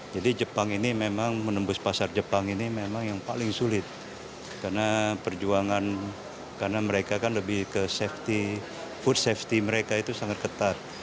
jadi jepang ini memang menembus pasar jepang ini memang yang paling sulit karena perjuangan karena mereka kan lebih ke safety food safety mereka itu sangat ketat